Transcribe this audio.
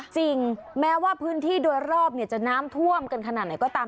จริงแม้ว่าพื้นที่โดยรอบจะน้ำท่วมกันขนาดไหนก็ตาม